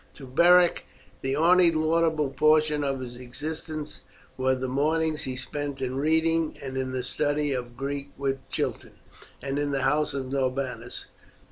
To Beric the only bearable portions of his existence were the mornings he spent in reading, and in the study of Greek with Chiton, and in the house of Norbanus.